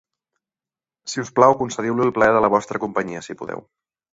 Si us plau, concediu-li el plaer de la vostra companyia, si podeu.